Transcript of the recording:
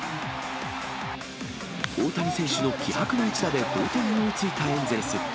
大谷選手の気迫の一打で同点に追いついたエンゼルス。